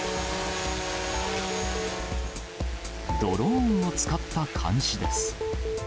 ドローンを使った監視です。